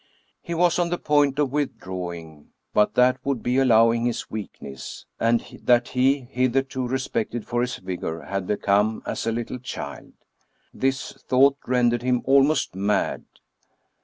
He was on the point of withdrawing; but that would be allowing his weakness, and that he, hitherto respected for his vigor, had become as a little child. This thought ren dered him almost mad.